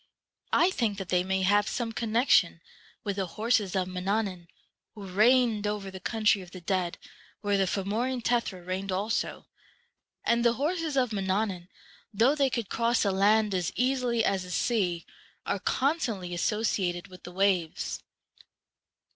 I think that they may have some connection with the horses of Mannannan, who reigned over the country of the dead, where the Fomorian Tethra reigned also; and the horses of Man 89 nannan, though they could cross the land as easily as the sea, are constantly associated with the waves.